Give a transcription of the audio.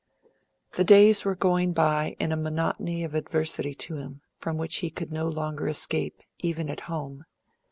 The days were going by in a monotony of adversity to him, from which he could no longer escape, even at home.